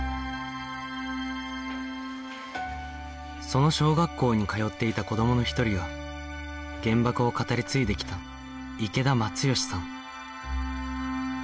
その小学校に通っていた子どもの一人は原爆を語り継いできた池田松義さん